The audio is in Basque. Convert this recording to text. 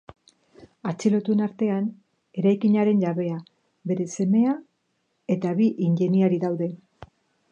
Atxilotuen artean, eraikinaren jabea, bere semea eta bi ingeniari daude.